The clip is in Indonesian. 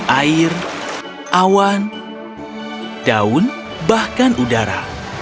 air awan daun bahkan udara